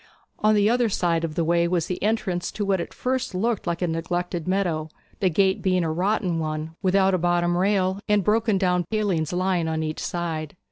On the other side of the way was the entrance to what at first sight looked like a neglected meadow, the gate being a rotten one, without a bottom rail, and broken down palings lying on each side.